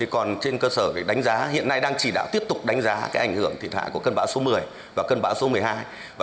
còn trên cơ sở đánh giá hiện nay đang chỉ đạo tiếp tục đánh giá ảnh hưởng thiệt hại của cơn bão số một mươi và cơn bão số một mươi hai